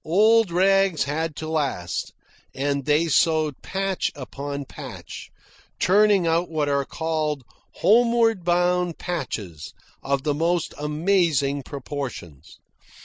Old rags had to last, and they sewed patch upon patch, turning out what are called "homeward bound patches" of the most amazing proportions.